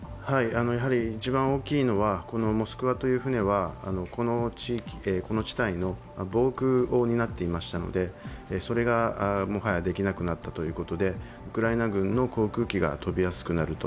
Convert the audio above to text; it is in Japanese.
一番大きいのは「モスクワ」という船はこの地帯の防空を担っていましたのでそれがもはやできなくなったということでウクライナ軍の航空機が飛びやすくなる。